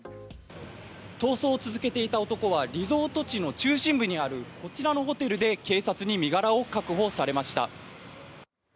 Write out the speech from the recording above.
逃走を続けていた男はリゾート地の中心部にあるこちらのホテルで警察に身柄を確保されました。